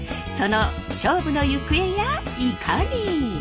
その勝負の行方やいかに？